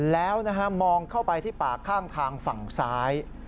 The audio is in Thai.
แล้วนะฮะมองเข้าไปที่ป่าข้างทางฝั่งซ้าย